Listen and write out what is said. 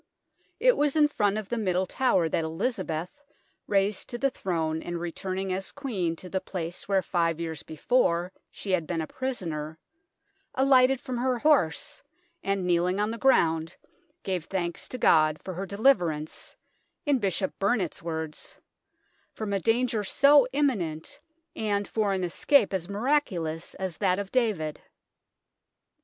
It was in front of the Middle Tower that Elizabeth, raised to the throne and returning as Queen to the place where five years before she had been a prisoner, alighted from her horse, and kneeling on the ground, gave thanks to God for her deliver ance, in Bishop Burnet's words, " from a danger so imminent, and for an escape as miraculous as that of David."